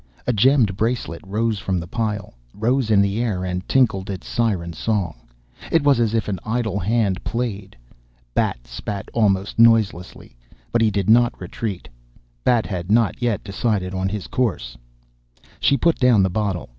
A gemmed bracelet rose from the pile, rose in the air and tinkled its siren song. It was as if an idle hand played.... Bat spat almost noiselessly. But he did not retreat. Bat had not yet decided his course. She put down the bottle.